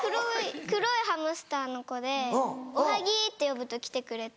黒いハムスターの子で「おはぎ」って呼ぶと来てくれて。